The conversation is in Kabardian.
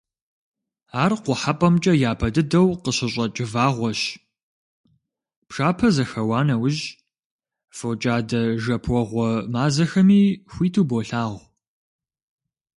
Ар Къухьэпӏэмкӏэ япэ дыдэу къыщыщӏэкӏ вагъуэщ, пшапэ зэхэуа нэужь, фокӏадэ-жэпуэгъуэ мазэхэми хуиту болъагъу.